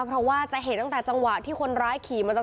เพราะว่าจะเห็นตั้งแต่จังหวะที่คนร้ายขี่มอเตอร์ไซ